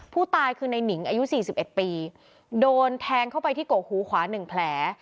ผู้ตายคือในหนิงอายุสี่สิบเอ็ดปีโดนแทงเข้าไปที่โกหูขวาหนึ่งแผล